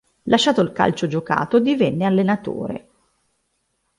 Lasciato il calcio giocato divenne allenatore.